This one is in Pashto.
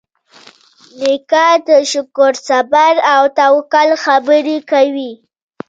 نیکه د شکر، صبر، او توکل خبرې کوي.